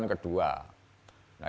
itu keputusan kedua